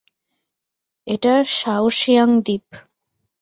এটা শাওশিয়াং দ্বীপ।